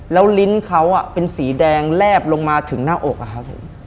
แล้วลิ้นเขาเป็นสีแดงแลบลงมาถึงหน้าอกอะครับผม